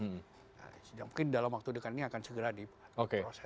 nah mungkin dalam waktu dekat ini akan segera diproses